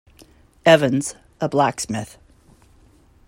Evans, a blacksmith.